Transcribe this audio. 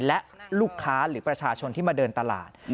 และลูกค้าหรือประชาชนที่มาเดินตลาด